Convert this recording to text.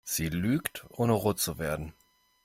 Sie lügt, ohne rot zu werden.